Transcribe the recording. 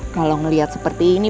kalau ngeliat seperti ini